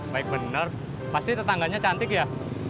baik benar pasti tetangganya cantik ya